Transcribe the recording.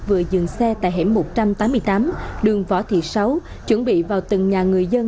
vừa dừng xe tại hẻm một trăm tám mươi tám đường võ thị sáu chuẩn bị vào từng nhà người dân